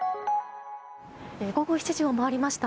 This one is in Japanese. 午後７時を回りました。